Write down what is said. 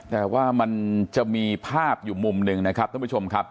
แต่ว่ามันจะมีภาพอยู่มุมหนึ่งนะครับท่านผู้ชมครับ